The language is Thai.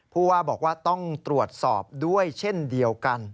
ผู้ว่าบอกว่าต้องตรวจสอบด้วยเช่นเดียวกัน